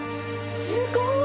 すごい！